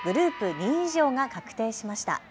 ２位以上が確定しました。